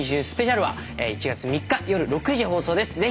スペシャルは１月３日夜６時放送です。